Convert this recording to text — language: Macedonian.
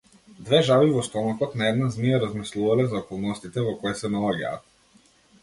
Две жаби во стомакот на една змија размислувале за околностите во кои се наоѓаат.